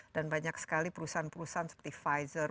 dan banyak sekali perusahaan perusahaan seperti pfizer